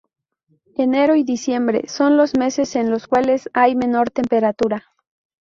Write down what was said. Enero y diciembre son los meses en los cuales hay menor temperatura.